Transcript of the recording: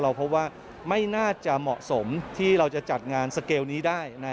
เพราะว่าไม่น่าจะเหมาะสมที่เราจะจัดงานสเกลนี้ได้